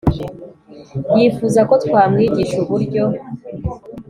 yifuza ko twamwigisha uburyo